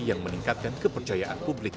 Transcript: yang meningkatkan kepercayaan publik